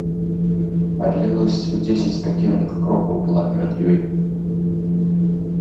Адлегласць у дзесяць пякельных крокаў была перад ёю.